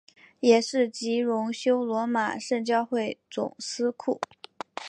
也是及荣休罗马圣教会总司库。